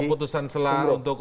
oh putusan sela untuk angket juga ya